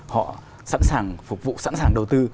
họ sẵn sàng phục vụ sẵn sàng đầu tư